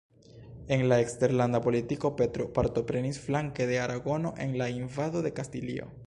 En la eksterlanda politiko, Petro partoprenis flanke de Aragono en la invado de Kastilio.